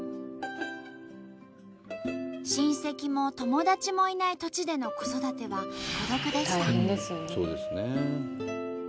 親戚も友達もいない土地での子育ては孤独でした。